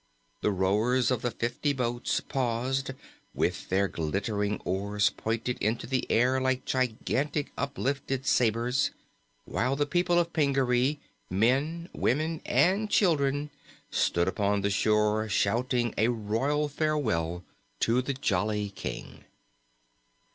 The rowers of the fifty boats paused, with their glittering oars pointed into the air like gigantic uplifted sabres, while the people of Pingaree men, women and children stood upon the shore shouting a royal farewell to the jolly King.